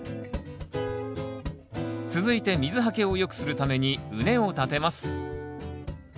続いて水はけを良くするために畝を立てます。